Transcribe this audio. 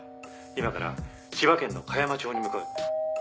今から千葉県の香山町に向かう。